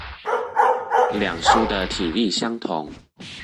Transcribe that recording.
兩書的體例相同